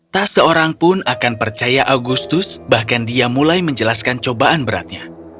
tak seorang pun akan percaya augustus bahkan dia mulai menjelaskan cobaan beratnya